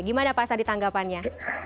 gimana pak sandi tanggapannya